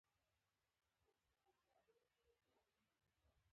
د جوزجان په قرقین کې د څه شي نښې دي؟